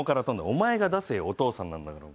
お前が出せよお父さんなんだから。